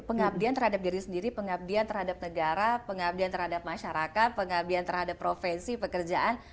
pengabdian terhadap diri sendiri pengabdian terhadap negara pengabdian terhadap masyarakat pengabdian terhadap profesi pekerjaan